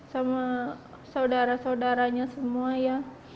sama saudara saudaranya semua ya